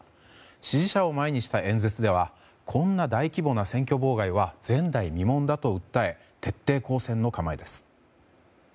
支持者を前にした演説ではこんな大規模な選挙妨害は前代未聞だと訴え徹底抗戦の構えです。